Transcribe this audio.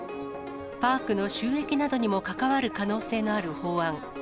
パークの収益などにも関わる可能性のある法案。